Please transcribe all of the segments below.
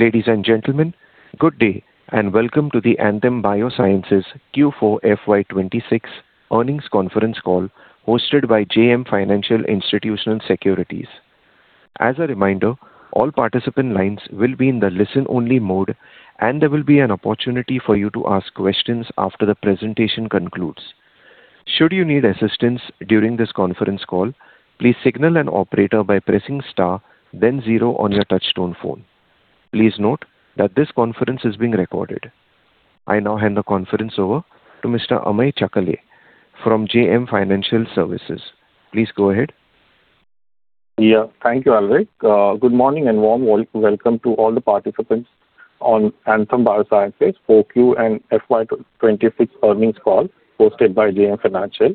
Ladies and gentlemen, good day, and welcome to the Anthem Biosciences Q4 FY 2026 earnings conference call hosted by JM Financial Institutional Securities. As a reminder, all participant lines will be in the listen-only mode, and there will be an opportunity for you to ask questions after the presentation concludes. Should you need assistance during this conference call, please signal an operator by pressing star then zero on your touchtone phone. Please note that this conference is being recorded. I now hand the conference over to Mr. Amey Chalke from JM Financial Securities. Please go ahead. Thank you, Alric. Good morning and warm welcome to all the participants on Anthem Biosciences 4Q and FY 2026 earnings call hosted by JM Financial.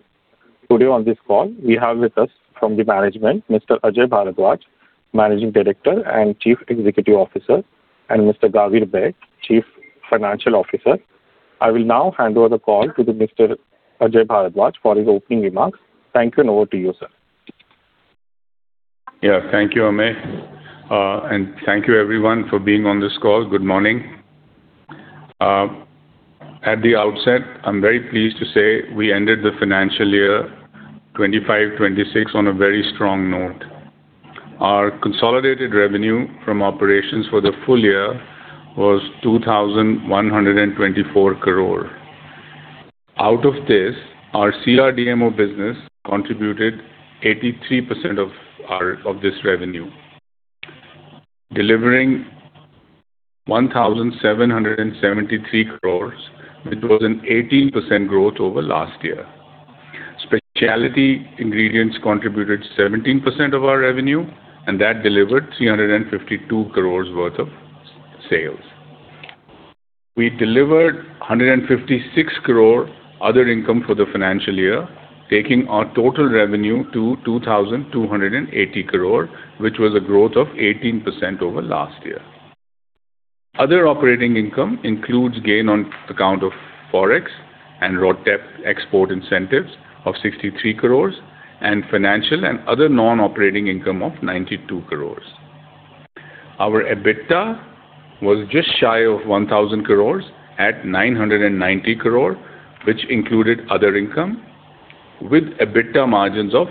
Today on this call we have with us from the management Mr. Ajay Bhardwaj, Managing Director and Chief Executive Officer, and Mr. Gawir Baig, Chief Financial Officer. I will now hand over the call to Mr. Ajay Bhardwaj for his opening remarks. Thank you, and over to you, sir. Thank you, Amey. Thank you everyone for being on this call. Good morning. At the outset, I'm very pleased to say we ended the financial year 2025, 2026 on a very strong note. Our consolidated revenue from operations for the full year was 2,124 crore. Out of this, our CRDMO business contributed 83% of this revenue, delivering 1,773 crore, which was an 18% growth over last year. Specialty Ingredients contributed 17% of our revenue, and that delivered 352 crore worth of sales. We delivered 156 crore other income for the financial year, taking our total revenue to 2,280 crore, which was a growth of 18% over last year. Other operating income includes gain on account of forex and RoDTEP export incentives of 63 crores and financial and other non-operating income of 92 crores. Our EBITDA was just shy of 1,000 crores at 990 crore, which included other income with EBITDA margins of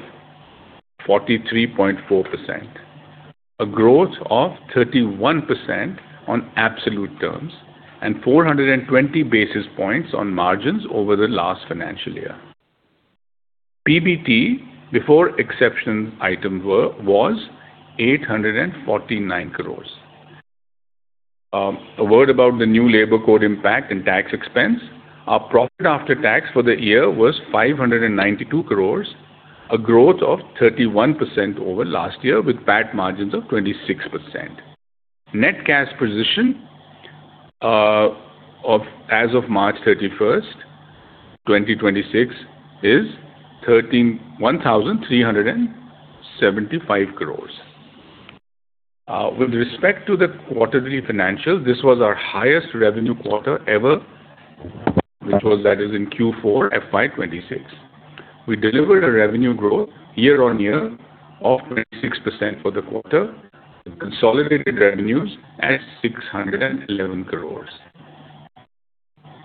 43.4%, a growth of 31% on absolute terms and 420 basis points on margins over the last financial year. PBT before exception item was 849 crores. A word about the new Labour Codes impact and tax expense. Our profit after tax for the year was 592 crores, a growth of 31% over last year, with PAT margins of 26%. Net cash position as of March 31st, 2026, is 1,375 crores. With respect to the quarterly financials, this was our highest revenue quarter ever in Q4 FY 2026. We delivered a revenue growth year-on-year of 26% for the quarter. Consolidated revenues at 611 crores.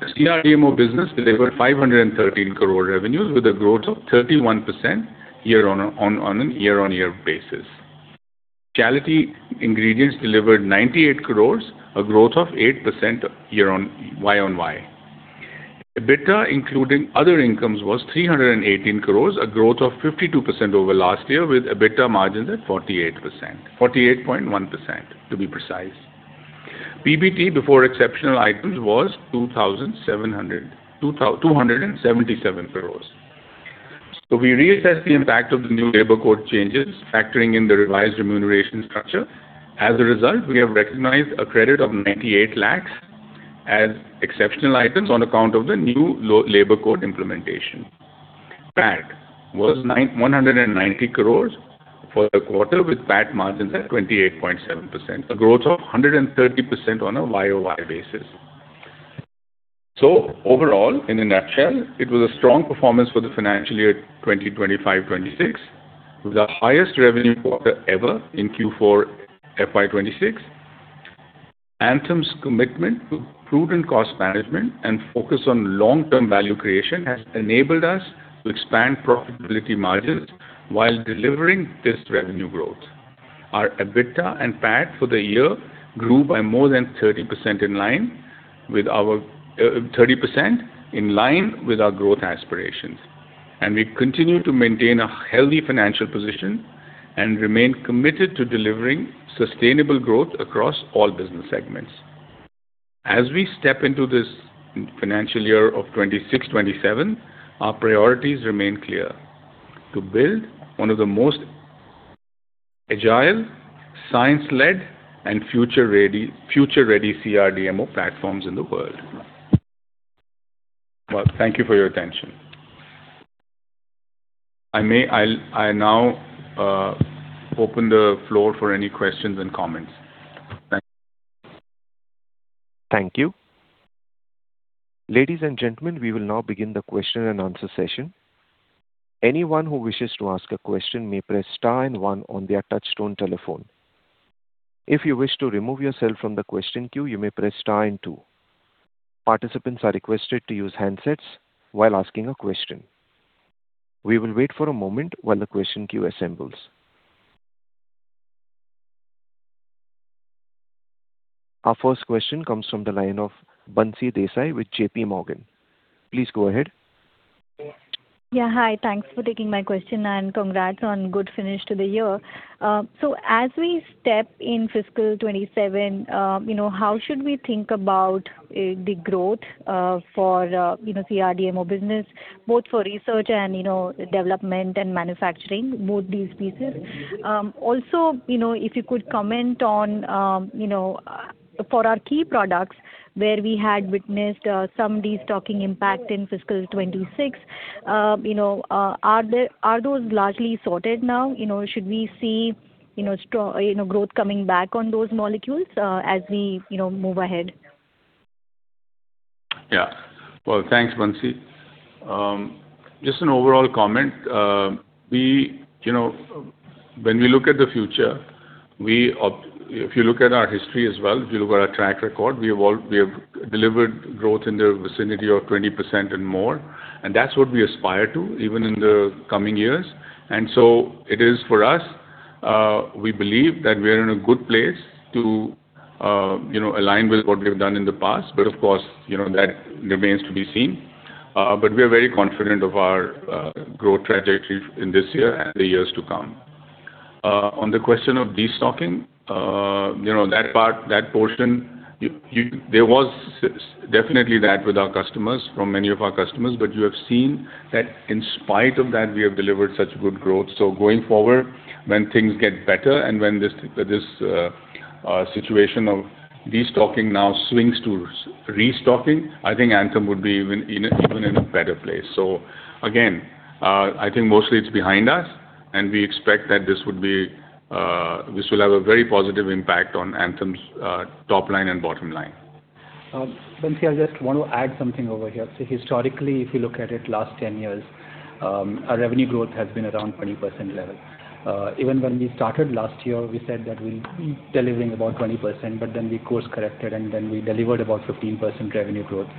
CRDMO business delivered 513 crore revenues with a growth of 31% on a year-on-year basis. Specialty ingredients delivered 98 crores, a growth of 8% year-on-year. EBITDA, including other incomes, was 318 crores, a growth of 52% over last year, with EBITDA margins at 48%. 48.1%, to be precise. PBT before exceptional items was 277 crores. We reassessed the impact of the new Labour Codes changes, factoring in the revised remuneration structure. As a result, we have recognized a credit of 98 lakhs as exceptional items on account of the new Labour Code implementation. PAT was 990 crores for the quarter, with PAT margins at 28.7%, a growth of 130% on a YoY basis. Overall, in a nutshell, it was a strong performance for the financial year 2025, 2026, with our highest revenue quarter ever in Q4 FY 2026. Anthem's commitment to prudent cost management and focus on long-term value creation has enabled us to expand profitability margins while delivering this revenue growth. Our EBITDA and PAT for the year grew by more than 30% in line with our growth aspirations. We continue to maintain a healthy financial position and remain committed to delivering sustainable growth across all business segments. As we step into this financial year of 2026, 2027, our priorities remain clear: To build one of the most agile, science-led, and future-ready CRDMO platforms in the world. Well, thank you for your attention. I now open the floor for any questions and comments. Thank you. Ladies and gentlemen, we will now begin the question and answer session. Anyone who wishes to ask a question may press star and one on their touch-tone telephone. If you wish to remove yourself from the question queue, you may press star and two. Participants are requested to use handsets while asking a question. We will wait for a moment while the question queue assembles. Our first question comes from the line of Bansi Desai with JPMorgan. Please go ahead. Yeah. Hi. Thanks for taking my question, and congrats on good finish to the year. As we step in fiscal 2027, you know, how should we think about the growth for, you know, CRDMO business, both for research and, you know, development and manufacturing, both these pieces? Also, you know, if you could comment on, you know, for our key products where we had witnessed some destocking impact in fiscal 2026, you know, are those largely sorted now? You know, should we see, you know, growth coming back on those molecules as we, you know, move ahead? Well, thanks, Bansi. Just an overall comment. You know, when we look at the future, if you look at our history as well, if you look at our track record, we have delivered growth in the vicinity of 20% and more, that's what we aspire to even in the coming years. It is for us, we believe that we are in a good place to, you know, align with what we have done in the past. Of course, you know, that remains to be seen. We are very confident of our growth trajectory in this year and the years to come. On the question of destocking, you know, that part, that portion, there was definitely that with our customers, from many of our customers. You have seen that in spite of that, we have delivered such good growth. Going forward, when things get better and when this situation of destocking now swings to restocking, I think Anthem would be in a better place. Again, I think mostly it's behind us, and we expect that this would be, this will have a very positive impact on Anthem's top line and bottom line. Bansi, I just want to add something over here. Historically, if you look at it last 10 years, our revenue growth has been around 20% level. Even when we started last year, we said that we'll be delivering about 20%, but then we course-corrected, and then we delivered about 15% revenue growth.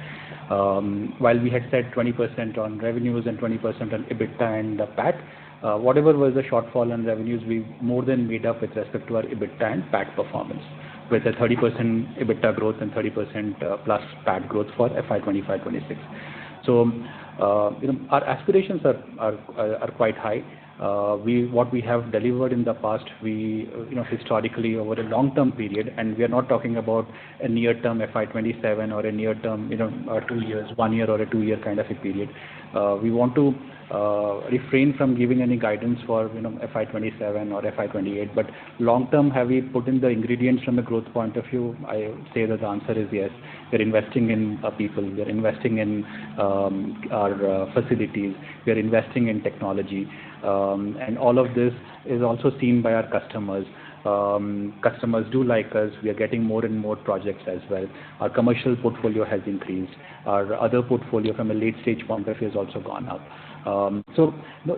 While we had said 20% on revenues and 20% on EBITDA and the PAT, whatever was the shortfall on revenues, we more than made up with respect to our EBITDA and PAT performance, with a 30% EBITDA growth and 30%+ PAT growth for FY 2025/2026. You know, our aspirations are quite high. What we have delivered in the past, we, you know, historically over a long-term period. We are not talking about a near-term FY 2027 or a near-term, you know, one year or a two-year kind of a period. We want to refrain from giving any guidance for, you know, FY 2027 or FY 2028. Long term, have we put in the ingredients from a growth point of view? I would say that the answer is yes. We're investing in our people. We are investing in our facilities. We are investing in technology. All of this is also seen by our customers. Customers do like us. We are getting more and more projects as well. Our commercial portfolio has increased. Our other portfolio from a late-stage pipeline has also gone up. The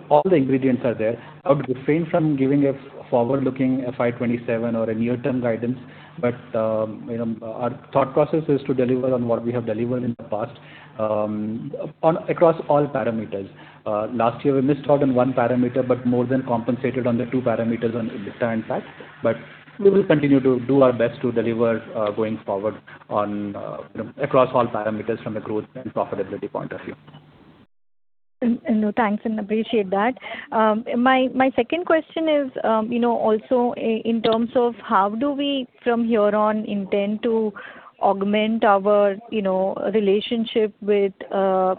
all the ingredients are there. I would refrain from giving a forward-looking FY 2027 or a near-term guidance. Our thought process is to deliver on what we have delivered in the past, on across all parameters. Last year we missed out on one parameter, but more than compensated on the two parameters on EBITDA and PAT. We will continue to do our best to deliver, going forward on across all parameters from a growth and profitability point of view. Thanks, and appreciate that. My second question is, you know, also in terms of how do we from here on intend to augment our, you know, relationship with,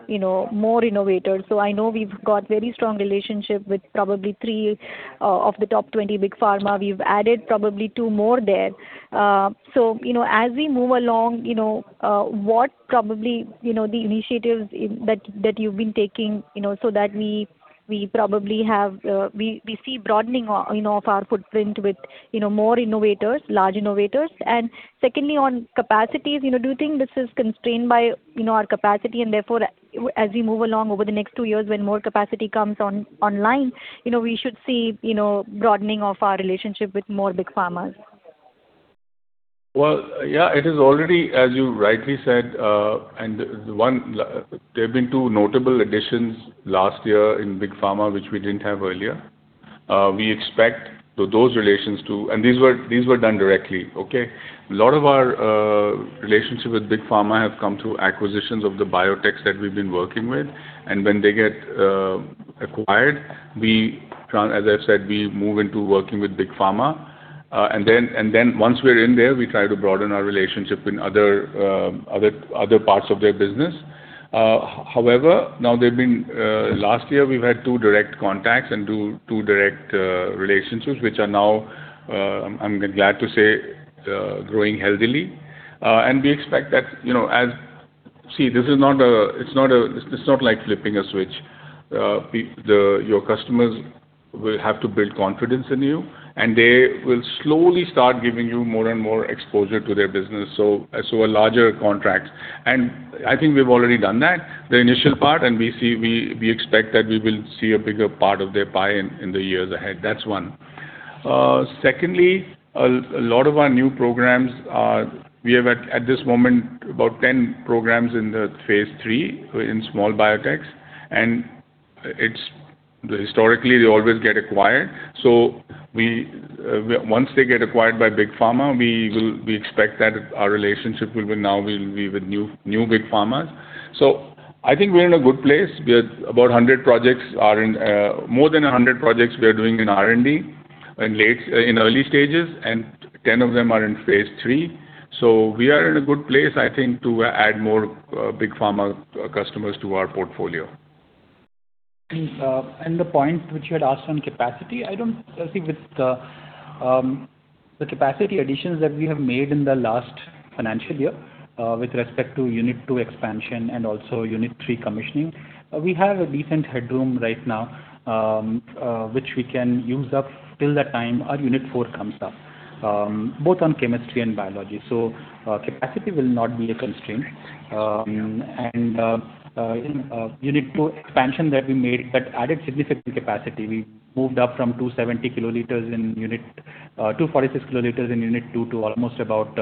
you know, more innovators? I know we've got very strong relationship with probably three of the top 20 big pharma. We've added probably two more there. You know, as we move along, you know, what probably, you know, the initiatives in that you've been taking, you know, so that we probably have, we see broadening of, you know, of our footprint with, you know, more innovators, large innovators. Secondly, on capacities, you know, do you think this is constrained by, you know, our capacity and therefore as we move along over the next two years when more capacity comes on-online, you know, we should see, you know, broadening of our relationship with more big pharmas? Yeah, it is already, as you rightly said, and there have been two notable additions last year in big pharma, which we didn't have earlier. These were done directly. Okay? A lot of our relationship with big pharma have come through acquisitions of the biotechs that we've been working with. When they get acquired, as I've said, we move into working with big pharma. And then once we're in there, we try to broaden our relationship in other parts of their business. However, now there have been last year we've had two direct contacts and two direct relationships, which are now I'm glad to say growing healthily. We expect that, you know, as. See, this is not a, it's not like flipping a switch. Your customers will have to build confidence in you, and they will slowly start giving you more and more exposure to their business, so a larger contract. I think we've already done that, the initial part, and we see, we expect that we will see a bigger part of their pie in the years ahead. That's one. Secondly, a lot of our new programs. We have at this moment about 10 programs in phase III in small biotechs, and historically, they always get acquired. Once they get acquired by Big Pharma, we expect that our relationship will be now with new Big Pharma. I think we're in a good place. We have about 100 projects are in, more than 100 projects we are doing in R&D in early stages, and 10 of them are in phase III. We are in a good place, I think, to add more Big Pharma customers to our portfolio. The point which you had asked on capacity, I think with the capacity additions that we have made in the last financial year, with respect to Unit II expansion and also Unit III commissioning, we have a decent headroom right now, which we can use up till the time our Unit IV comes up, both on chemistry and biology. Capacity will not be a constraint. In Unit II expansion that we made, that added significant capacity. We moved up from 246 kL in Unit II to almost about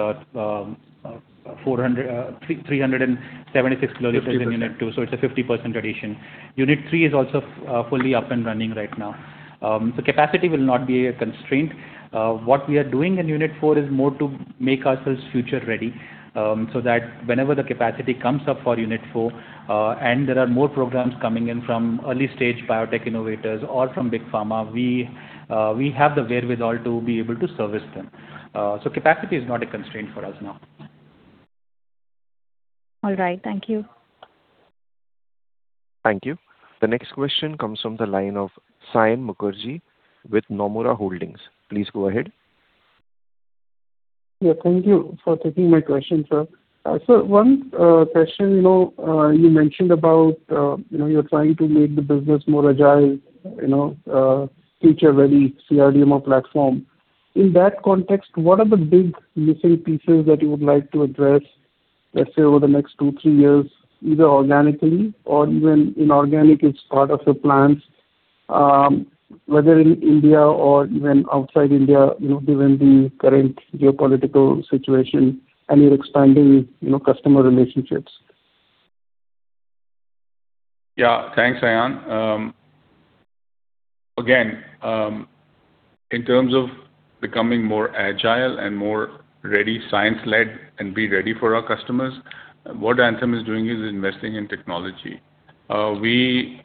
376 kL. 50%. In Unit II, so it's a 50% addition. Unit III is also fully up and running right now. Capacity will not be a constraint. What we are doing in Unit IV is more to make ourselves future-ready, so that whenever the capacity comes up for Unit IV, and there are more programs coming in from early-stage biotech innovators or from Big Pharma, we have the wherewithal to be able to service them. Capacity is not a constraint for us now. All right. Thank you. Thank you. The next question comes from the line of Saion Mukherjee with Nomura Holdings. Please go ahead. Yeah, thank you for taking my question, sir. One question, you know, you mentioned about, you know, you're trying to make the business more agile, you know, future-ready CRDMO platform. In that context, what are the big missing pieces that you would like to address, let's say, over the next two, three years, either organically or even inorganic is part of your plans, whether in India or even outside India, you know, given the current geopolitical situation and you're expanding, you know, customer relationships? Yeah. Thanks, Saion. Again, in terms of becoming more agile and more ready, science-led, and be ready for our customers, what Anthem is doing is investing in technology. We,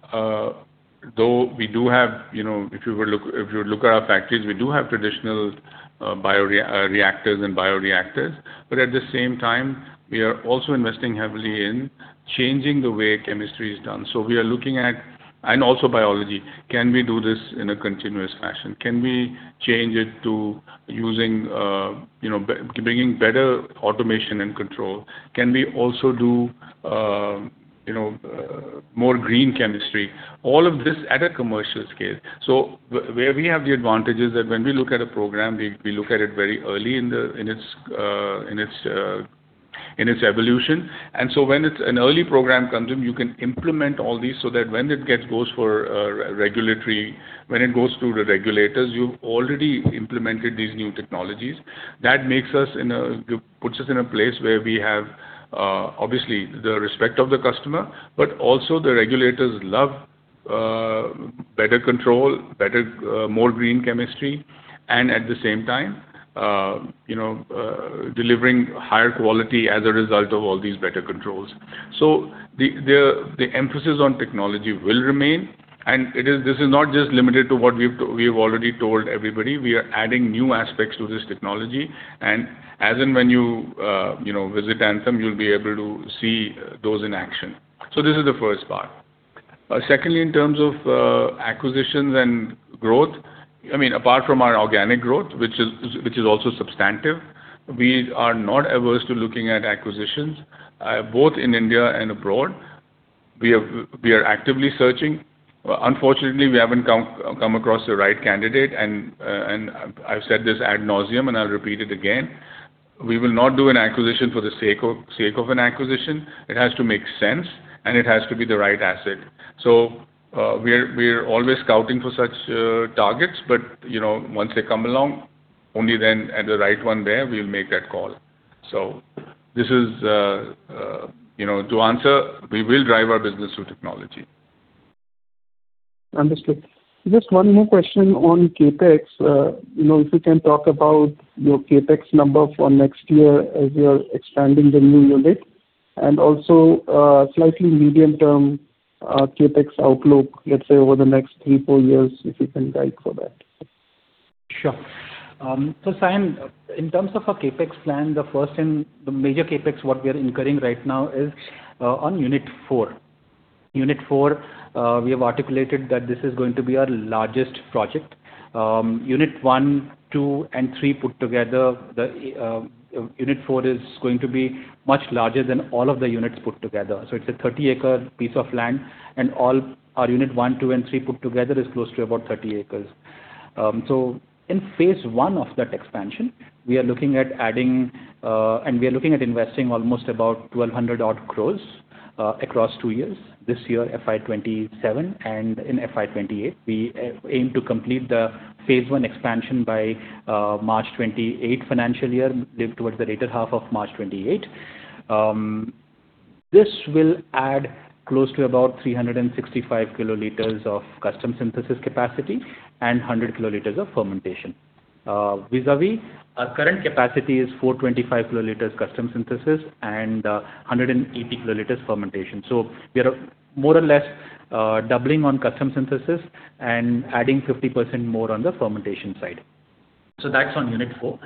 though we do have, you know, if you look at our factories, we do have traditional reactors and bioreactors. At the same time, we are also investing heavily in changing the way chemistry is done. We are looking at and also biology. Can we do this in a continuous fashion? Can we change it to using, you know, bringing better automation and control? Can we also do, you know, more green chemistry? All of this at a commercial scale. Where we have the advantage is that when we look at a program, we look at it very early in its evolution. When it's an early program comes in, you can implement all these so that when it goes for regulatory, when it goes to the regulators, you've already implemented these new technologies. That makes us puts us in a place where we have obviously the respect of the customer, but also the regulators love better control, better more green chemistry and, at the same time, you know, delivering higher quality as a result of all these better controls. The emphasis on technology will remain, and it is this is not just limited to what we've already told everybody. We are adding new aspects to this technology and as and when you know, visit Anthem, you'll be able to see those in action. This is the first part. Secondly, in terms of acquisitions and growth, I mean, apart from our organic growth, which is also substantive, we are not averse to looking at acquisitions, both in India and abroad. We are actively searching. Unfortunately, we haven't come across the right candidate and I've said this ad nauseam, and I'll repeat it again, we will not do an acquisition for the sake of an acquisition. It has to make sense, and it has to be the right asset. We're always scouting for such targets, but, you know, once they come along, only then and the right one there, we'll make that call. This is, you know, to answer, we will drive our business with technology. Understood. Just one more question on CapEx. You know, if you can talk about your CapEx number for next year as you're expanding the new unit and also, slightly medium-term, CapEx outlook, let's say, over the next three, four years, if you can guide for that? Sure. Saion, in terms of our CapEx plan, the first and the major CapEx what we are incurring right now is on Unit IV. Unit IV, we have articulated that this is going to be our largest project. Unit I, II, and III put together, Unit IV is going to be much larger than all of the units put together. It's a 30-acre piece of land, and all our Unit I, II, and III put together is close to about 30 acres. In phase one of that expansion, we are looking at adding, and we are looking at investing almost about 1,200 odd crores across two years. This year, FY 2027, and in FY 2028. We aim to complete the phase one expansion by March 2028 financial year, towards the latter half of March 2028. This will add close to about 365 kL of custom synthesis capacity and 100 kL of fermentation. Vis-à-vis our current capacity is 425 kL custom synthesis and 180 kL fermentation. We are more or less doubling on custom synthesis and adding 50% more on the fermentation side. That's on Unit IV.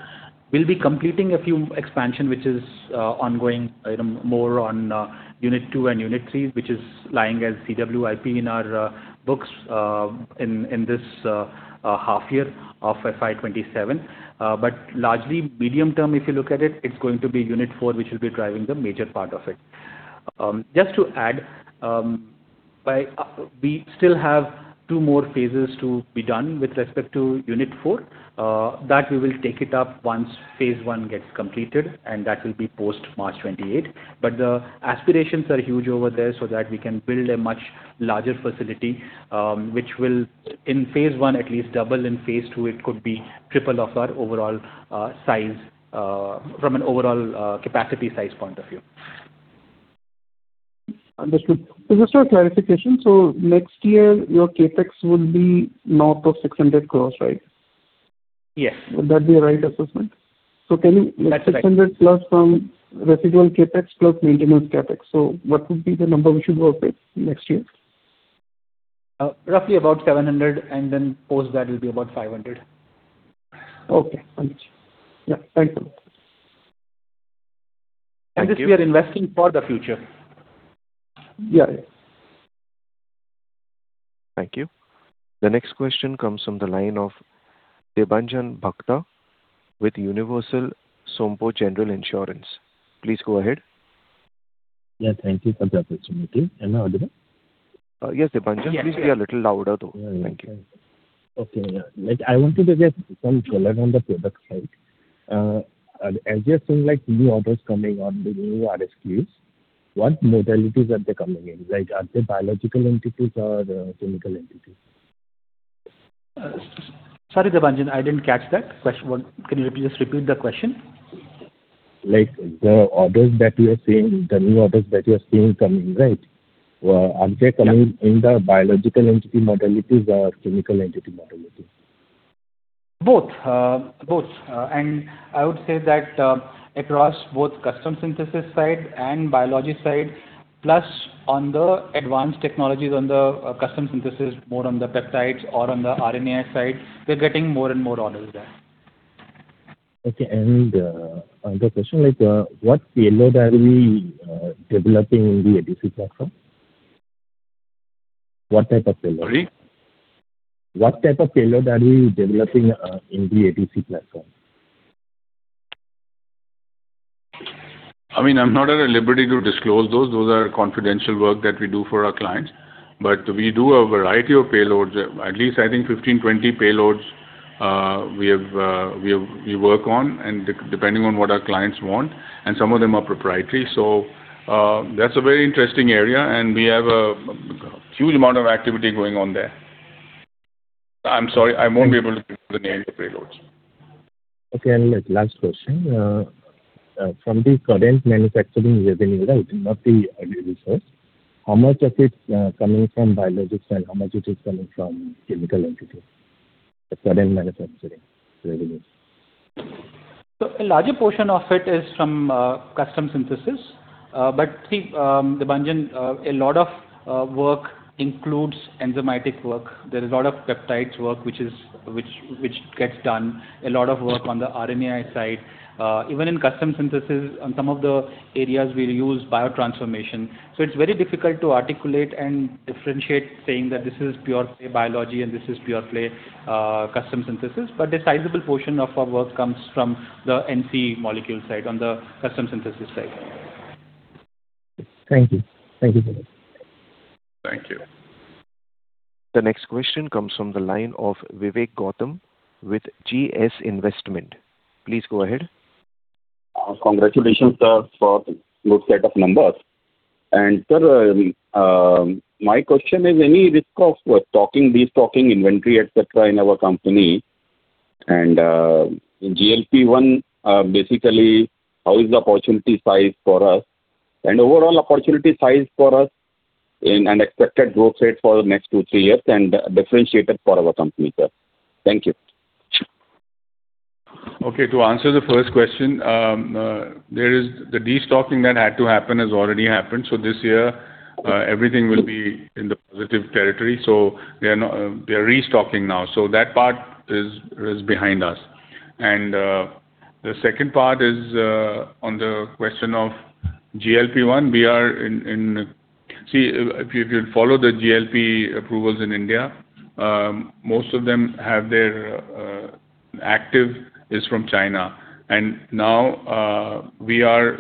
We'll be completing a few expansion, which is ongoing, item more on Unit II and Unit III, which is lying as CWIP in our books in this half year of FY 2027. Largely medium term, if you look at it's going to be Unit IV which will be driving the major part of it. Just to add, We still have two more phases to be done with respect to Unit IV. That we will take it up once phase I gets completed, and that will be post March 28. The aspirations are huge over there so that we can build a much larger facility, which will in phase I at least double, in phase II it could be triple of our overall size, from an overall capacity size point of view. Understood. Just for clarification, next year your CapEx will be north of 600 crores, right? Yes. Would that be a right assessment? That's right. 600+ from residual CapEx plus maintenance CapEx. What would be the number we should work with next year? Roughly about 700, and then post that will be about 500. Okay. Got you. Yeah. Thank you. This we are investing for the future. Yeah. Thank you. The next question comes from the line of Debanjan Bhakta with Universal Sompo General Insurance. Please go ahead. Yeah, thank you for the opportunity. Am I audible? Yes, Debanjan. Please be a little louder, though. Thank you. Okay. Like I wanted to get some color on the product side. As you are seeing like new orders coming on the new SKUs, what modalities are they coming in? Like, are they biological entities or chemical entities? Sorry, Debanjan, I didn't catch that question. Can you just repeat the question? Like, the orders that you are seeing, the new orders that you are seeing coming, right? Are they coming in the biological entity modalities or chemical entity modalities? Both. I would say that, across both custom synthesis side and biology side, plus on the advanced technologies on the custom synthesis, more on the peptides or on the RNA side, we're getting more and more orders there. Okay. Another question, like, what payload are we developing in the ADC platform? What type of payload? Sorry? What type of payload are we developing in the ADC platform? I mean, I'm not at a liberty to disclose those. Those are confidential work that we do for our clients. We do a variety of payloads. At least I think 15, 20 payloads, we have. We work on depending on what our clients want, and some of them are proprietary. That's a very interesting area, and we have a huge amount of activity going on there. I'm sorry, I won't be able to give you the names of payloads. Okay. Like last question, from the current manufacturing revenue, right, not the early research, how much of it coming from biologics and how much it is coming from chemical entities? The current manufacturing revenue. A larger portion of it is from custom synthesis. Debanjan, a lot of work includes enzymatic work. There is a lot of peptides work which gets done. A lot of work on the RNAi side. Even in custom synthesis, on some of the areas we use biotransformation. It's very difficult to articulate and differentiate saying that this is pure play biology and this is pure play custom synthesis. A sizable portion of our work comes from the NCE molecule side, on the custom synthesis side. Thank you. Thank you so much. Thank you. The next question comes from the line of Vivek Gautam with GS Investment. Please go ahead. Congratulations, sir, for good set of numbers. Sir, my question is any risk of stocking, destocking inventory, et cetera, in our company? In GLP-1, basically how is the opportunity size for us and overall opportunity size for us in an expected growth rate for the next 2, 3 years and differentiators for our company, sir? Thank you. Okay, to answer the first question, The destocking that had to happen has already happened. This year, everything will be in the positive territory. We are restocking now. That part is behind us. The second part is on the question of GLP-1. See, if you follow the GLP approvals in India, most of them have their active is from China. Now, we are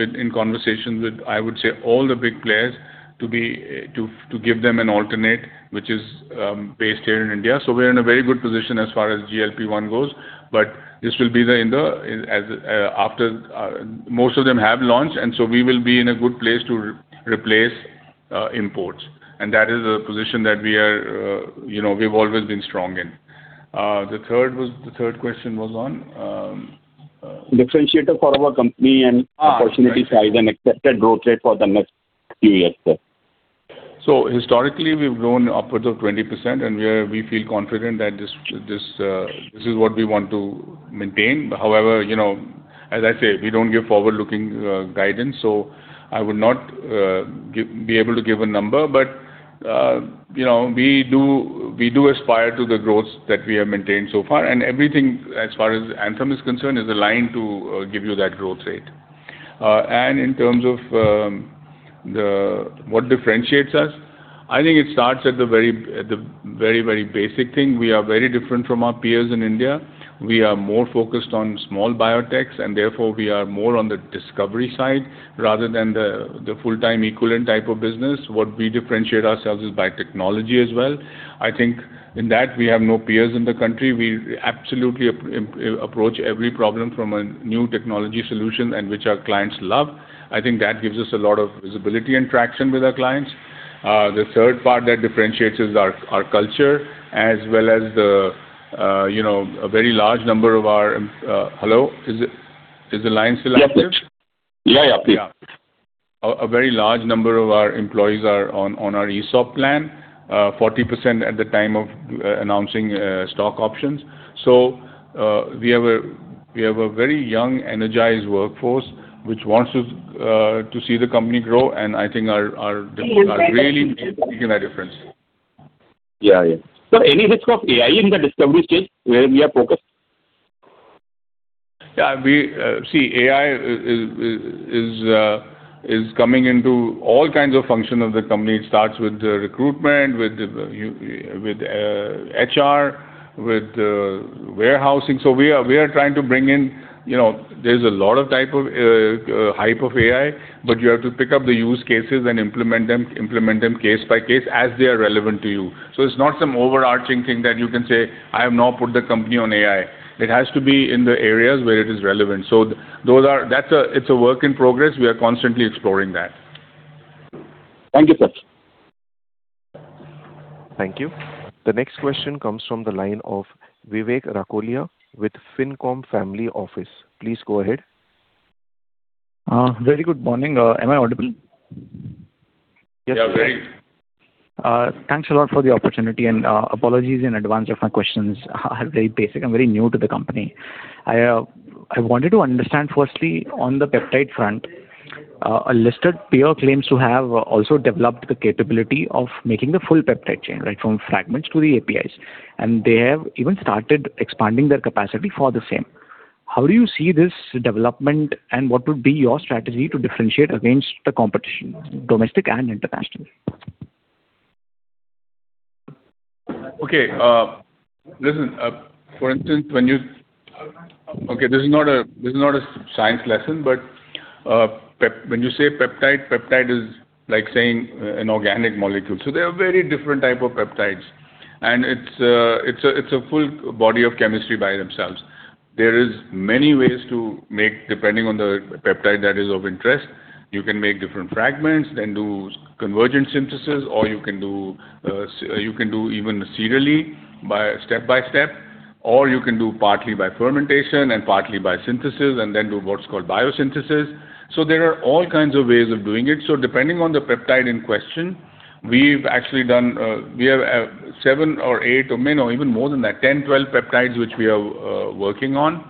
in conversations with, I would say, all the big players to give them an alternate, which is based here in India. We are in a very good position as far as GLP-1 goes. This will be the end, as, after, most of them have launched, so we will be in a good place to replace imports. That is a position that we are, you know, we've always been strong in. The third question was on. Differentiator for our company and opportunity size and expected growth rate for the next few years, sir? Historically, we've grown upwards of 20%, and we feel confident that this is what we want to maintain. You know, as I say, we don't give forward-looking guidance, so I would not be able to give a number. You know, we do aspire to the growth that we have maintained so far. Everything, as far as Anthem is concerned, is aligned to give you that growth rate. In terms of what differentiates us, I think it starts at the very, very basic thing. We are very different from our peers in India. We are more focused on small biotechs, and therefore we are more on the discovery side rather than the full-time equivalent type of business. What we differentiate ourselves is by technology as well. I think in that we have no peers in the country. We absolutely approach every problem from a new technology solution and which our clients love. I think that gives us a lot of visibility and traction with our clients. The third part that differentiates is our culture as well as the, you know, a very large number of our, hello? Is the line still active? Yeah. Yeah. Yeah. A very large number of our employees are on our ESOP plan, 40% at the time of announcing stock options. We have a very young, energized workforce which wants us to see the company grow, and I think are really making a difference. Yeah. Yeah. Any risk of AI in the discovery stage where we are focused? Yeah. We see, AI is coming into all kinds of function of the company. It starts with the recruitment, with the, with HR, with warehousing. We are trying to bring in, you know, there's a lot of type of hype of AI, but you have to pick up the use cases and implement them case by case as they are relevant to you. It's not some overarching thing that you can say, I have now put the company on AI. It has to be in the areas where it is relevant. It's a work in progress. We are constantly exploring that. Thank you, sir. Thank you. The next question comes from the line of Vivek Rakholiya with Ficom Family Office. Please go ahead. Very good morning. Am I audible? Yeah. Great. Thanks a lot for the opportunity, and apologies in advance if my questions are very basic. I'm very new to the company. I wanted to understand firstly, on the peptide front, a listed peer claims to have also developed the capability of making the full peptide chain, right from fragments to the APIs, and they have even started expanding their capacity for the same. How do you see this development, and what would be your strategy to differentiate against the competition, domestic and international? Okay. Listen, for instance, when you say peptide is like saying an organic molecule. There are very different type of peptides, and it's a full body of chemistry by themselves. There is many ways to make, depending on the peptide that is of interest. You can make different fragments, then do convergent synthesis, or you can do even serially by step-by-step, or you can do partly by fermentation and partly by synthesis, and then do what's called biosynthesis. There are all kinds of ways of doing it. Depending on the peptide in question, we've actually done, we have seven or eight amino, even more than that, 10, 12 peptides which we are working on.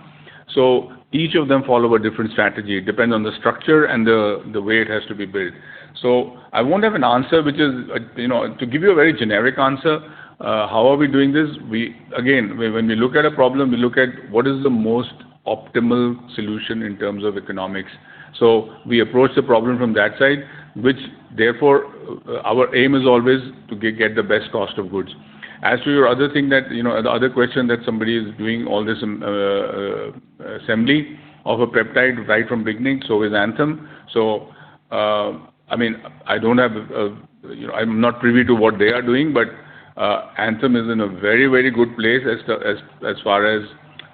Each of them follow a different strategy. It depends on the structure and the way it has to be built. I won't have an answer, which is, you know, to give you a very generic answer, how are we doing this? Again, when we look at a problem, we look at what is the most optimal solution in terms of economics. We approach the problem from that side, which therefore our aim is always to get the best cost of goods. As to your other thing that, you know, the other question that somebody is doing all this assembly of a peptide right from beginning, so is Anthem. I mean, I don't have, you know, I'm not privy to what they are doing, but Anthem is in a very, very good place as far as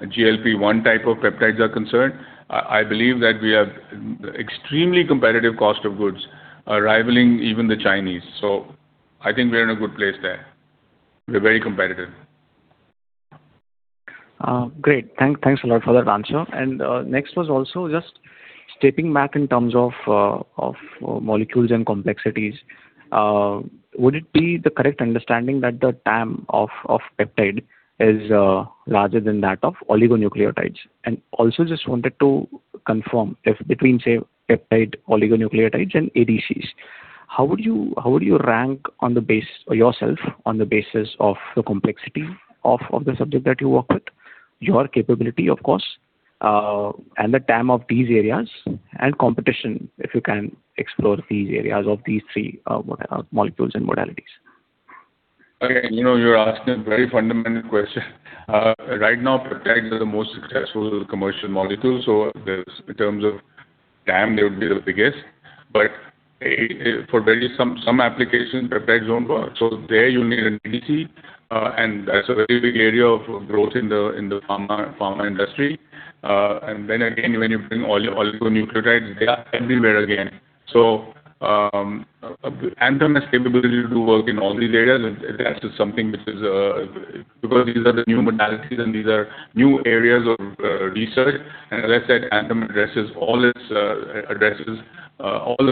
GLP-1 type of peptides are concerned. I believe that we have extremely competitive cost of goods, rivaling even the Chinese. I think we're in a good place there. We're very competitive. Great. Thanks a lot for that answer. Next was also just stepping back in terms of molecules and complexities. Would it be the correct understanding that the TAM of peptide is larger than that of oligonucleotides? Also just wanted to confirm if between, say, peptide, oligonucleotides and ADCs, how would you rank yourself on the basis of the complexity of the subject that you work with, your capability, of course, and the TAM of these areas and competition, if you can explore these areas of these three, what molecules and modalities? Okay. You know, you're asking a very fundamental question. Right now, peptides are the most successful commercial molecule, so in terms of TAM, they would be the biggest. For some applications, peptides don't work. There you need an ADC, and that's a very big area of growth in the pharma industry. When you bring all your oligonucleotides, they are everywhere again. Anthem has capability to work in all these areas. It adds to something which is because these are the new modalities and these are new areas of research. As I said, Anthem addresses all its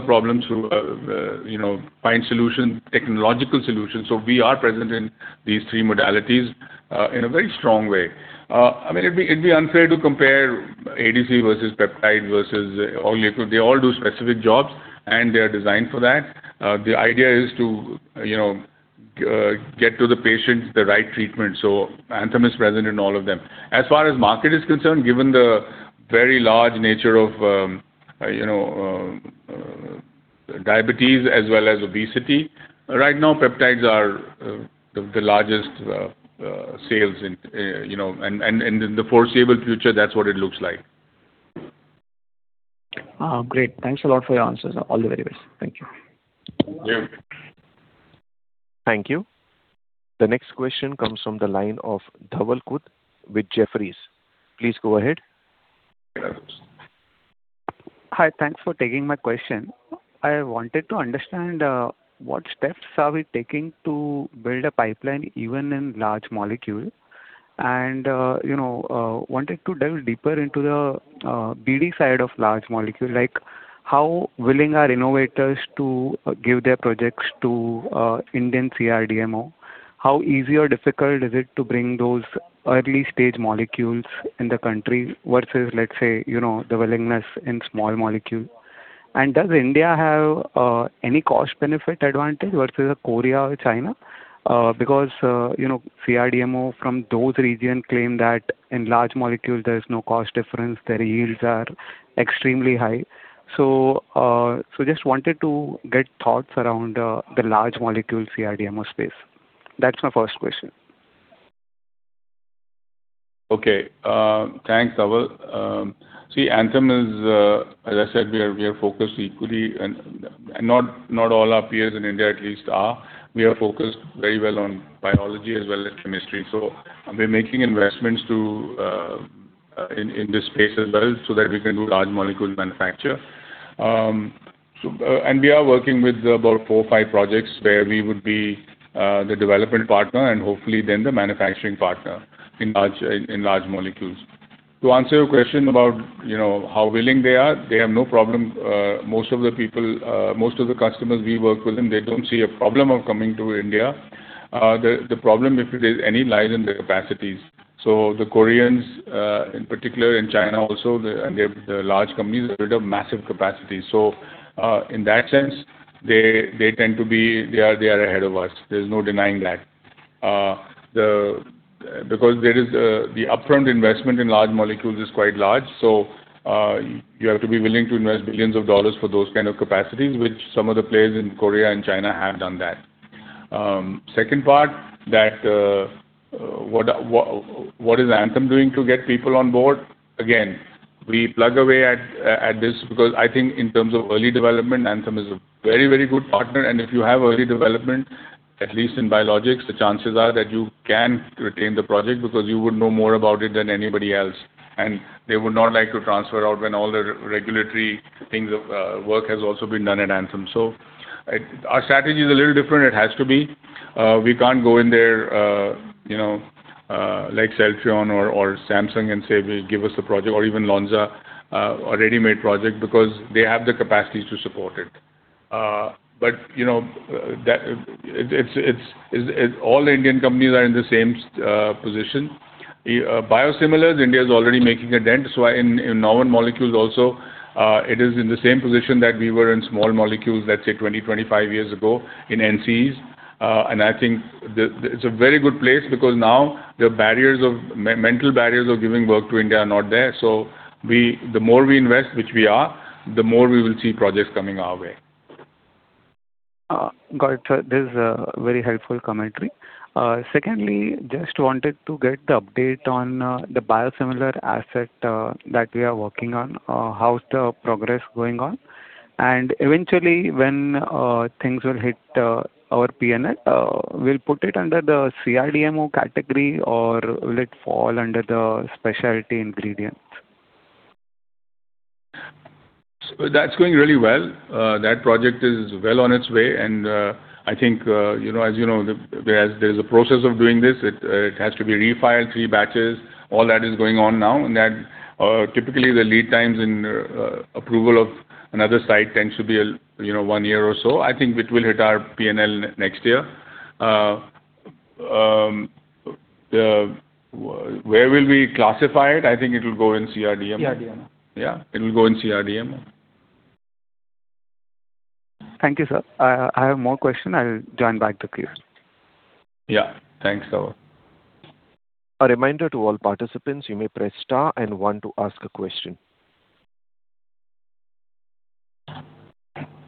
problems through, you know, find solution, technological solutions. We are present in these three modalities in a very strong way. I mean, it'd be unfair to compare ADC versus peptide versus oligonucleotide. They all do specific jobs, they are designed for that. The idea is to, you know, get to the patients the right treatment. Anthem is present in all of them. As far as market is concerned, given the very large nature of, you know, diabetes as well as obesity, right now peptides are the largest sales in, you know and in the foreseeable future, that's what it looks like. Great. Thanks a lot for your answers. All the very best. Thank you. Yeah. Thank you. The next question comes from the line of Dhawal Khut with Jefferies. Please go ahead. Hello. Hi. Thanks for taking my question. I wanted to understand what steps are we taking to build a pipeline even in large molecule? You know, wanted to delve deeper into the BD side of large molecule. Like, how willing are innovators to give their projects to Indian CRDMO? How easy or difficult is it to bring those early-stage molecules in the country versus, let's say, you know, the willingness in small molecule? Does India have any cost benefit advantage versus Korea or China? Because, you know, CRDMO from those region claim that in large molecules there's no cost difference. Their yields are extremely high. Just wanted to get thoughts around the large molecule CRDMO space. That's my first question. Okay. Thanks, Dhawal. Anthem is, as I said, we are focused equally and not all our peers in India at least are. We are focused very well on biology as well as chemistry. We're making investments in this space as well so that we can do large molecule manufacture. We are working with about four or five projects where we would be the development partner and hopefully then the manufacturing partner in large molecules. To answer your question about, you know, how willing they are, they have no problem. Most of the customers we work with and they don't see a problem of coming to India. The problem, if it is any, lies in the capacities. The Koreans, in particular in China also, the large companies, they've built massive capacity. In that sense, they tend to be. They are ahead of us. There's no denying that. Because the upfront investment in large molecules is quite large. You have to be willing to invest billions of dollars for those kind of capacities, which some of the players in Korea and China have done that. Second part, what is Anthem doing to get people on board? We plug away at this because I think in terms of early development, Anthem is a very, very good partner. If you have early development, at least in biologics, the chances are that you can retain the project because you would know more about it than anybody else, and they would not like to transfer out when all the regulatory things of work has also been done at Anthem. Our strategy is a little different. It has to be. We can't go in there, you know, like Celltrion or Samsung and say, "Give us the project," or even Lonza, a ready-made project, because they have the capacities to support it. But you know, that it's All Indian companies are in the same position. Biosimilars, India is already making a dent. In novel molecules also, it is in the same position that we were in small molecules, let's say, 20, 25 years ago in NCEs. I think it's a very good place because now the barriers of mental barriers of giving work to India are not there. We, the more we invest, which we are, the more we will see projects coming our way. Got it, sir. This is a very helpful commentary. Secondly, just wanted to get the update on the biosimilar asset that we are working on. How's the progress going on? Eventually, when things will hit our P&L, we'll put it under the CRDMO category or will it fall under the specialty ingredients? That's going really well. That project is well on its way and, I think, you know, as you know, there's a process of doing this. It has to be refiled three batches. All that is going on now, typically the lead times in approval of another site tends to be you know, one year or so. I think it will hit our P&L next year. Where will we classify it? I think it'll go in CRDMO. CRDMO. Yeah. It will go in CRDMO. Thank you, sir. I have more question. I will join back the queue. Yeah. Thanks, Dhawal. A reminder to all participants, you may press star and one to ask a question.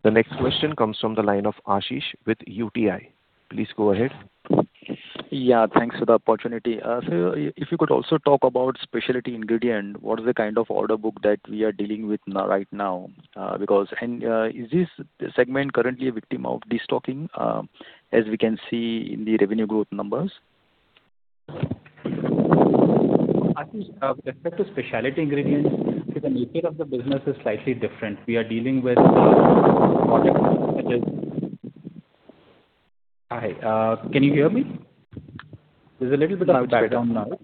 The next question comes from the line of Ashish with UTI. Please go ahead. Yeah, thanks for the opportunity. If you could also talk about specialty ingredient, what is the kind of order book that we are dealing with right now? Is this segment currently a victim of destocking, as we can see in the revenue growth numbers? Ashish, with respect to specialty ingredients, the nature of the business is slightly different. Hi, can you hear me? There's a little bit of a background noise.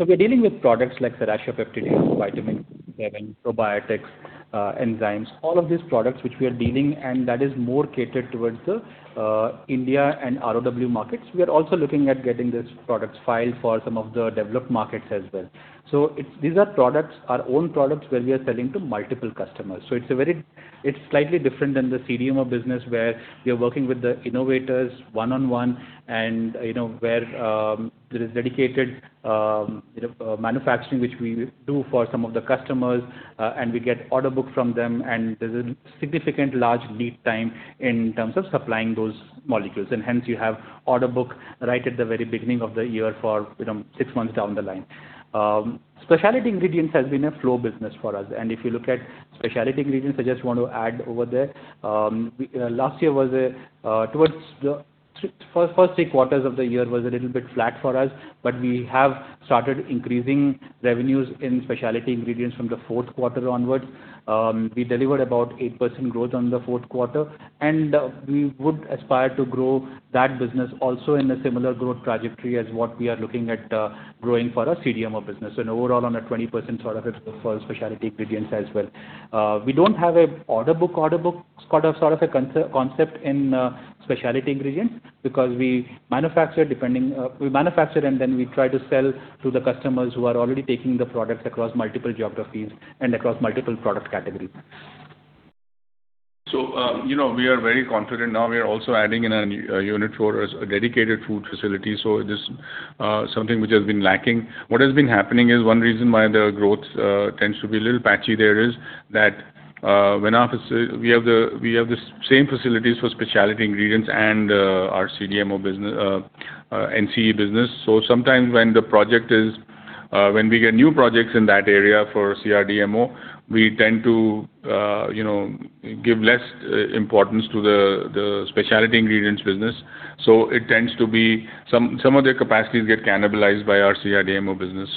We're dealing with products like serratiopeptidase, vitamin B7, probiotics, enzymes. All of these products which we are dealing, and that is more catered towards the India and ROW markets. We are also looking at getting these products filed for some of the developed markets as well. These are products, our own products, where we are selling to multiple customers. It's slightly different than the CDMO business, where we are working with the innovators one-on-one and, you know, where there is dedicated, you know, manufacturing which we do for some of the customers, and we get order book from them, and there's a significant large lead time in terms of supplying those molecules. Hence you have order book right at the very beginning of the year for, you know, six months down the line. Specialty ingredients has been a flow business for us. If you look at specialty ingredients, I just want to add over there, last year was a, towards the first three quarters of the year was a little bit flat for us, but we have started increasing revenues in specialty ingredients from the fourth quarter onwards. We delivered about 8% growth on the fourth quarter, and we would aspire to grow that business also in a similar growth trajectory as what we are looking at growing for our CDMO business. Overall on a 20% sort of for specialty ingredients as well. We don't have a order book sort of a concept in specialty ingredients because we manufacture depending, we manufacture and then we try to sell to the customers who are already taking the products across multiple geographies and across multiple product categories. You know, we are very confident now. We are also adding in a unit for a dedicated food facility. This something which has been lacking. What has been happening is one reason why the growth tends to be a little patchy there is that we have the same facilities for specialty ingredients and our CDMO business, NCE business. Sometimes when the project is when we get new projects in that area for CRDMO, we tend to, you know, give less importance to the specialty ingredients business. It tends to be some of their capacities get cannibalized by our CRDMO business.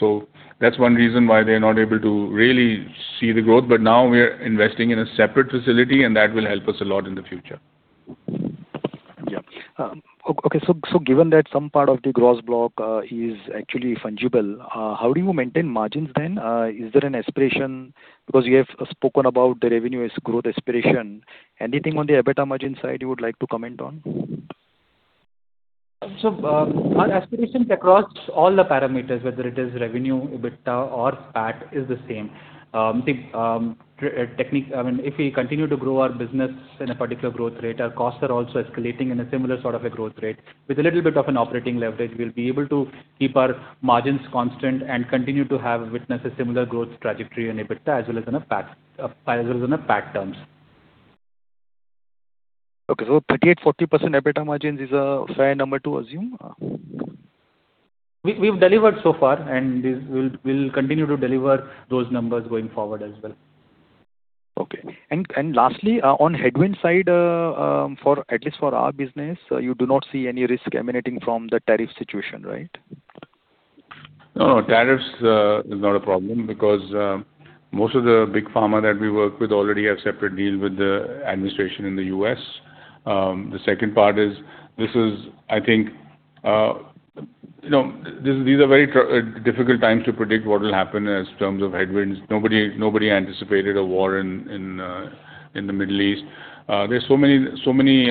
That's one reason why they're not able to really see the growth. Now we are investing in a separate facility, and that will help us a lot in the future. Yeah. Okay, so given that some part of the gross block, is actually fungible, how do you maintain margins then? Is there an aspiration? You have spoken about the revenue as growth aspiration. Anything on the EBITDA margin side you would like to comment on? Our aspirations across all the parameters, whether it is revenue, EBITDA or PAT, is the same. The technique, I mean, if we continue to grow our business in a particular growth rate, our costs are also escalating in a similar sort of a growth rate. With a little bit of an operating leverage, we will be able to keep our margins constant and continue to witness a similar growth trajectory in EBITDA as well as in PAT terms. Okay. 38%-40% EBITDA margins is a fair number to assume? We've delivered so far. We'll continue to deliver those numbers going forward as well. Okay. Lastly, on headwind side, for at least for our business, you do not see any risk emanating from the tariff situation, right? No, no, tariffs is not a problem because most of the big pharma that we work with already have separate deal with the administration in the U.S. The second part is this is, I think, you know, these are very difficult times to predict what will happen as terms of headwinds. Nobody anticipated a war in the Middle East. There's so many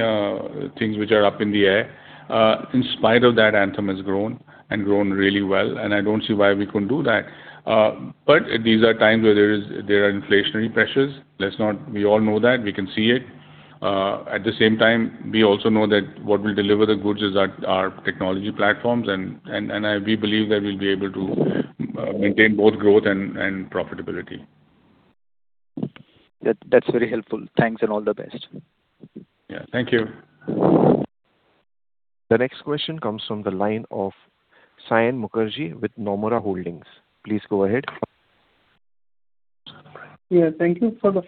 things which are up in the air. In spite of that, Anthem has grown and grown really well, and I don't see why we couldn't do that. These are times where there are inflationary pressures. We all know that. We can see it. At the same time, we also know that what will deliver the goods is our technology platforms and we believe that we'll be able to maintain both growth and profitability. That's very helpful. Thanks and all the best. Yeah. Thank you. The next question comes from the line of Saion Mukherjee with Nomura Holdings. Please go ahead. Thank you for the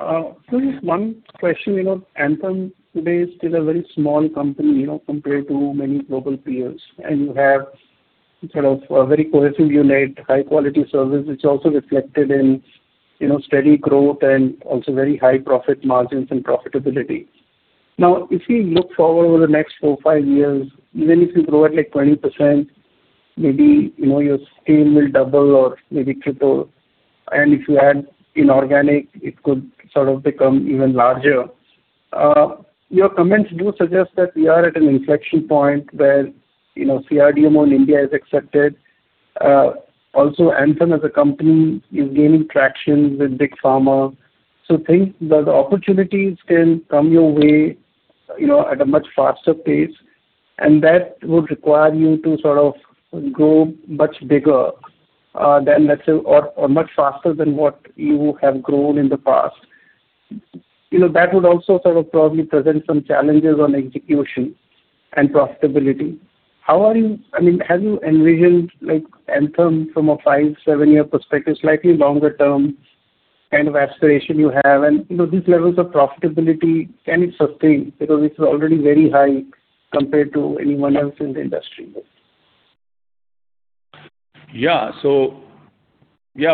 follow-up. Just one question. You know, Anthem today is still a very small company, you know, compared to many global peers, and you have sort of a very cohesive unit, high quality service, which also reflected in, you know, steady growth and also very high profit margins and profitability. If we look forward over the next four-five years, even if you grow at like 20%, maybe, you know, your scale will double or maybe triple. If you add inorganic, it could sort of become even larger. Your comments do suggest that we are at an inflection point where, you know, CRDMO in India is accepted. Anthem as a company is gaining traction with big pharma. The opportunities can come your way, you know, at a much faster pace, and that would require you to sort of grow much bigger than let's say or much faster than what you have grown in the past. You know, that would also sort of probably present some challenges on execution and profitability. I mean, have you envisioned like Anthem from a five, seven-year perspective, slightly longer term kind of aspiration you have? You know, these levels of profitability, can it sustain? Because it's already very high compared to anyone else in the industry. Yeah. Yeah,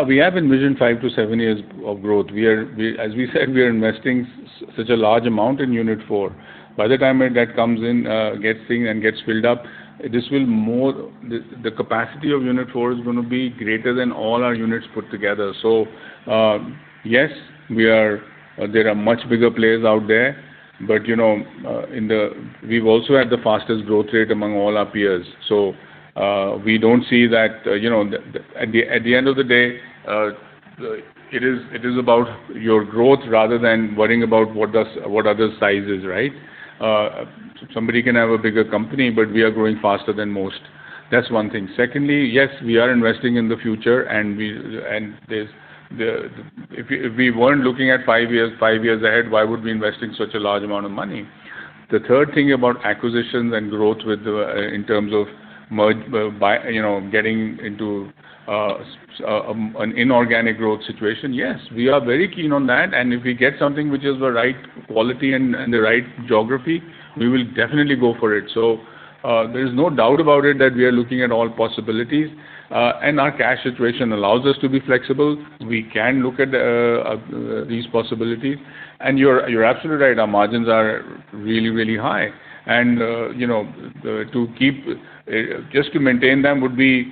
we have envisioned five-seven years of growth. We, as we said, we are investing such a large amount in Unit IV. By the time that comes in, gets thing and gets filled up, this will more The capacity of Unit IV is going to be greater than all our units put together. Yes, we are There are much bigger players out there but, you know, in the We've also had the fastest growth rate among all our peers. We don't see that, you know, At the end of the day, The It is about your growth rather than worrying about what does, what other size is, right? Somebody can have a bigger company, but we are growing faster than most. That's one thing. Secondly, yes, we are investing in the future. If we weren't looking at five years, five years ahead, why would we invest in such a large amount of money? The third thing about acquisitions and growth with the, in terms of merge, by, you know, getting into an inorganic growth situation, yes, we are very keen on that, and if we get something which is the right quality and the right geography, we will definitely go for it. There is no doubt about it that we are looking at all possibilities. Our cash situation allows us to be flexible. We can look at these possibilities. You're absolutely right, our margins are really, really high. Just to maintain them would be.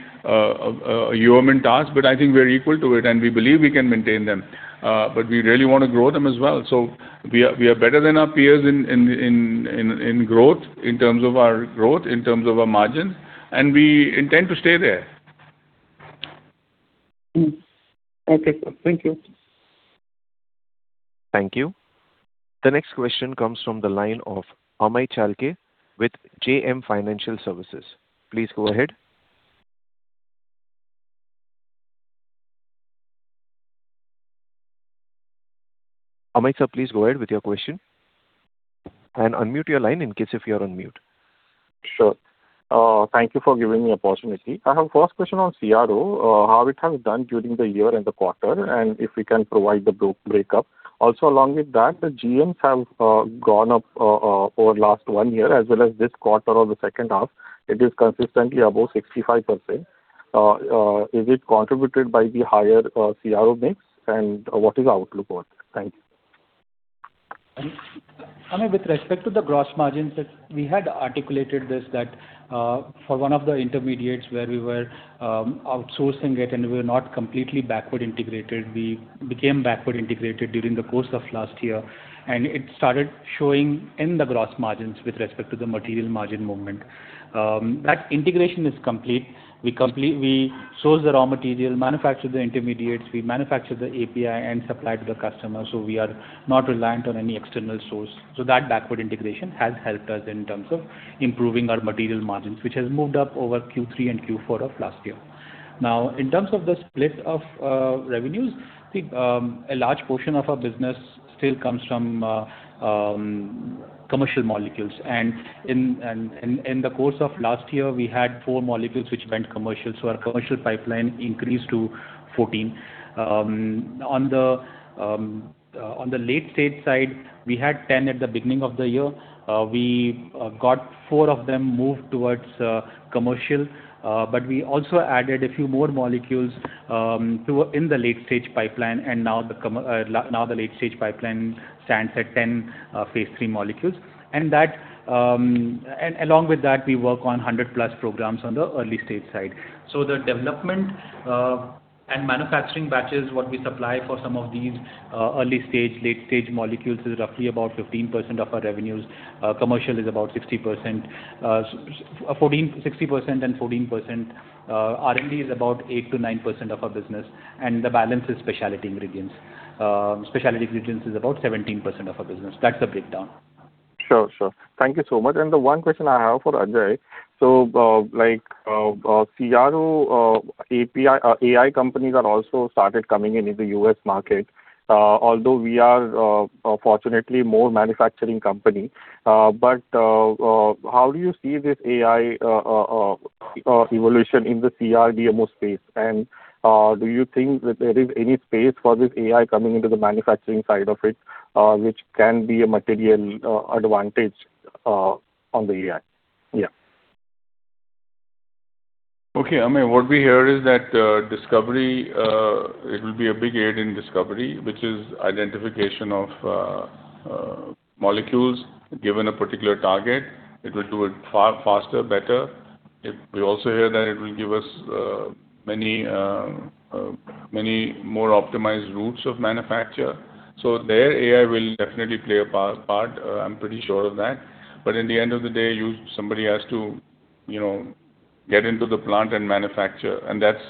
We also hear that it will give us many more optimized routes of manufacture. there AI will definitely play a part, I'm pretty sure of that. in the end of the day, Somebody has to get into the plant and manufacture, and that's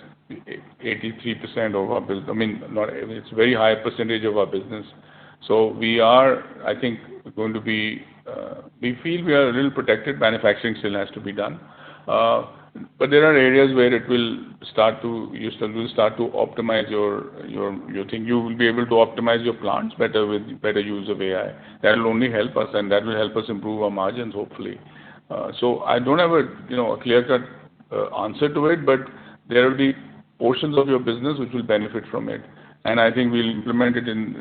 83% of our business. I mean, it's a very high percentage of our business. we are, I think, going to be We feel we are a little protected. Manufacturing still has to be done. there are areas where You still will start to optimize your thing. You will be able to optimize your plants better with better use of AI. That will only help us, and that will help us improve our margins, hopefully. I don't have a, you know, a clear-cut answer to it, but there will be portions of your business which will benefit from it. I think we'll implement it in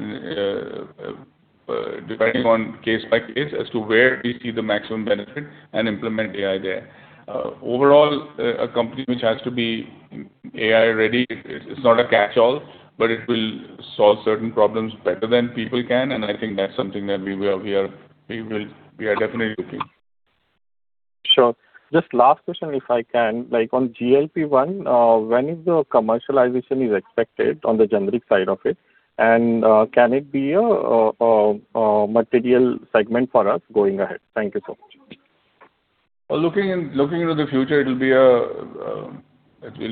depending on case by case as to where we see the maximum benefit and implement AI there. Overall, a company which has to be AI-ready, it's not a catch-all, but it will solve certain problems better than people can, and I think that's something that we are definitely looking. Sure. Just last question, if I can. On GLP-1, when is the commercialization expected on the generic side of it? Can it be a material segment for us going ahead? Thank you, sir. Well, looking into the future, it will